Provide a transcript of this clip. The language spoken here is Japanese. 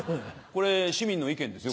これ市民の意見ですよ？